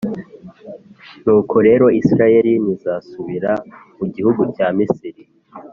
Nuko rero, Israheli ntizasubira mu gihugu cya Misiri,